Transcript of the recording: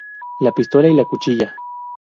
La Pistola y la cuchilla.